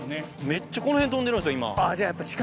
めっちゃこの辺飛んでる今。